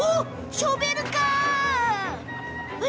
ショベルカー！